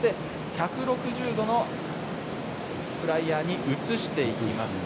このあと１６０度のフライヤーに移していきます。